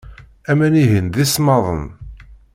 Aman-ihin d isemmaḍen.